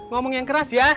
ngomong yang keras ya